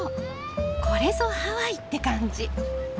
これぞハワイって感じ。